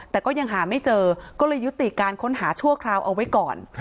แต่ก็ยังหาไม่เจอก็เลยยุติการค้นหาชั่วคราวเอาไว้ก่อน